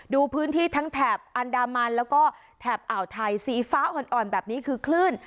ดูพื้นที่ทั้งแถบอันดามันแล้วก็แถบอ่าวไทยสีฟ้าอ่อนแบบนี้คือคลื่น